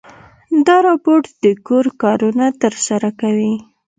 دا روبوټ د کور کارونه ترسره کوي.